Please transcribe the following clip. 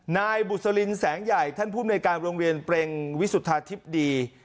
นายบุษลินแสงใหญ่ท่านภูมิในการโรงเรียนเปรงวิสุทธาธิบดี